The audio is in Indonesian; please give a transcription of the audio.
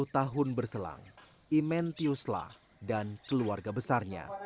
enam puluh tahun berselang imen tiusla dan keluarga besarnya